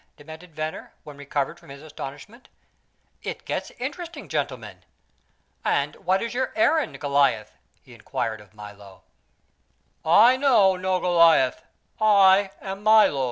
demanded Venner, when recovered from his astonishment. "It gets interesting, gentlemen. And what is your errand, Goliath?" he inquired of Milo. "I know no Goliath. I am Milo.